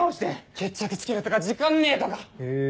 決着つけるとか時間ねえとか。